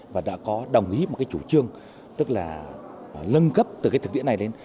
và đã có đồng ý một chủ trương tức là lân cấp từ thực tiễn này lên